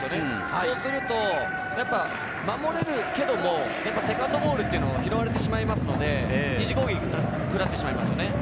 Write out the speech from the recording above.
そうすると守れるけれども、セカンドボールを拾われてしまいますので、２次攻撃をくらってしまいます。